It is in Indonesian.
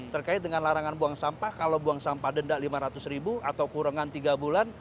terkait dengan larangan buang sampah kalau buang sampah denda lima ratus ribu atau kurangan tiga bulan